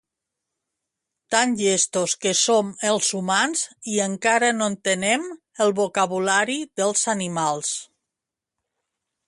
Tan llestos que som els humans i encara no entenem el vocabulari dels animals